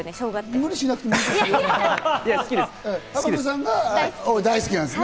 無理しなくてもいいからね。